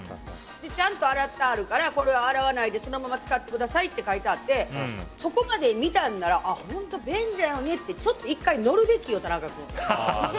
ちゃんと洗ってあるからこれは洗わないでそのまま使ってくださいって書いてあってそこまで見たんなら本当便利なんだねってちょっと１回乗るべきよ、田中君。